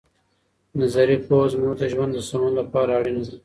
نظري پوهه زموږ د ژوند د سمون لپاره اړینه ده.